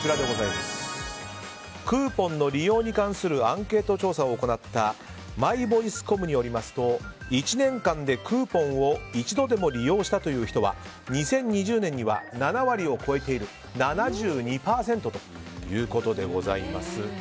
クーポンの利用に関するアンケート調査を行ったマイボイスコムによりますと１年間でクーポンを一度でも利用したという人は２０２０年には７割を超えて７２％ということでございます。